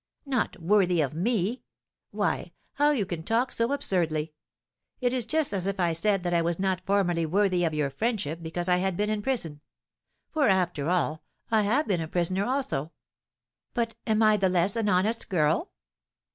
"Not worthy of me? Why, how can you talk so absurdly? It is just as if I said that I was not formerly worthy of your friendship because I had been in prison; for, after all, I have been a prisoner also; but am I the less an honest girl?"